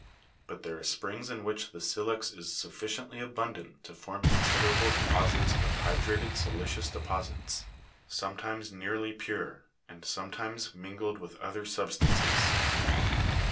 But there are springs in which the silex is sufficiently abundant to form considerable deposits of hydrated sili'cious deposits, some limes nearly pure, and sometimes mingled with other substances.